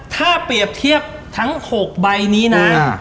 ถ้าเปรียบเทียบทั้ง๖ใบนี้นะ